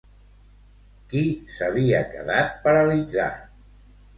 Qui s'havia quedat paralitzat?